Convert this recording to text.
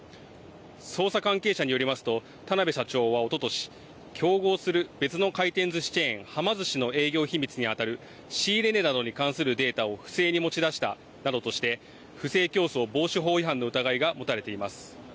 捜査関係者によりますと、田邊社長はおととし、競合する別の回転ずしチェーン、はま寿司の営業秘密に当たる仕入れ値などに関するデータを不正に持ち出したなどとして、不正競争防止法違反の疑いが持たれています。